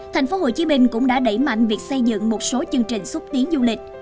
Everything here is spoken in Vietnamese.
thành phố hồ chí minh cũng đã đẩy mạnh việc xây dựng một số chương trình xúc tiến du lịch